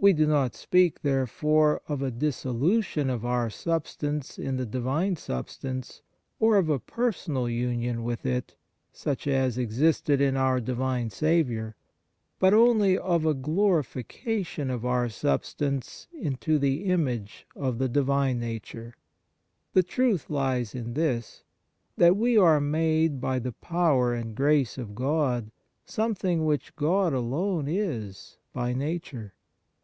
We do not speak, therefore, of a dissolution of our substance in the Divine Substance or of a personal union with it, such as existed in our Divine Saviour, but only of a glorification of our substance into the image of the Divine Nature. The truth lies in this that we are made by the power and grace of God something which God alone is by nature.